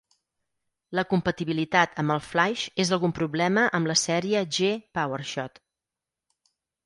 La compatibilitat amb el flaix és algun problema amb la sèrie G Powershot.